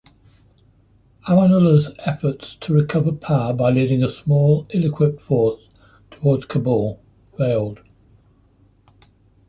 Amanullah's efforts to recover power by leading a small, ill-equipped force toward Kabul failed.